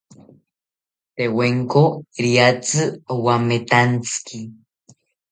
Tewenko riatzi owametantziki